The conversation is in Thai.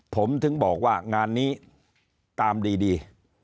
ผมถึงบอกว่างานนี้ตามดี